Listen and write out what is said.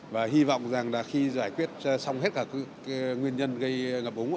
và hy vọng rằng là khi giải quyết xong hết cả cái nguyên nhân gây ngập ống